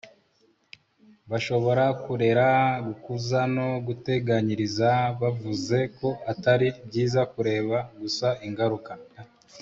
bashobora kurera, gukuza no guteganyiriza. yavuze ko atari byiza kureba gusa ingaruka